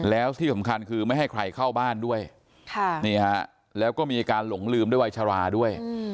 แล้วที่สำคัญคือไม่ให้ใครเข้าบ้านด้วยแล้วก็มีอาการหลงลืมด้วยวัยชราด้วย